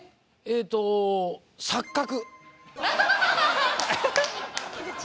えーと「錯覚」